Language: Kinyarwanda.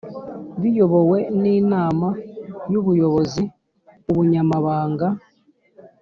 Biyobowe n inama y ubuyobozi ubunyamabanga